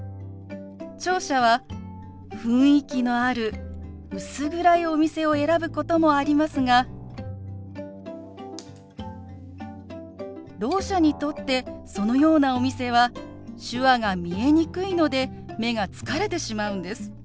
聴者は雰囲気のある薄暗いお店を選ぶこともありますがろう者にとってそのようなお店は手話が見えにくいので目が疲れてしまうんです。